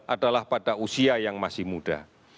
adalah pada usia yang masih muda